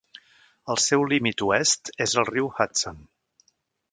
El seu límit oest és el riu Hudson.